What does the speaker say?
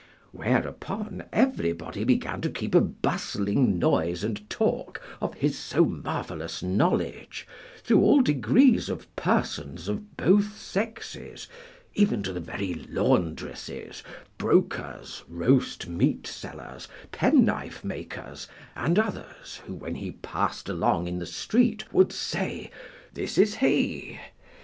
Whereupon everybody began to keep a bustling noise and talk of his so marvellous knowledge, through all degrees of persons of both sexes, even to the very laundresses, brokers, roast meat sellers, penknife makers, and others, who, when he passed along in the street, would say, This is he!